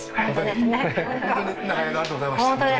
本当ありがとうございました